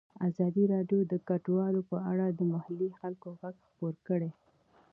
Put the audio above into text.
ازادي راډیو د کډوال په اړه د محلي خلکو غږ خپور کړی.